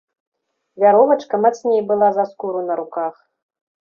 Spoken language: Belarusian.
Вяровачка мацней была за скуру на руках.